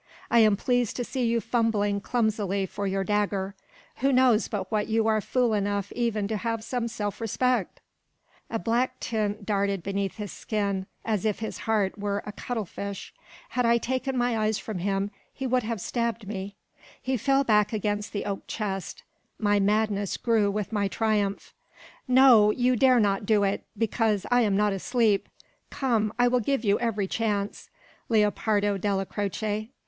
I am pleased to see you fumbling clumsily for your dagger. Who knows but what you are fool enough even to have some self respect?" A black tint darted beneath his skin, as if his heart were a cuttle fish. Had I taken my eyes from him, he would have stabbed me. He fell back against the oak chest. My madness grew with my triumph. "No. You dare not do it, because I am not asleep. Come, I will give you every chance, Lepardo Della Croce.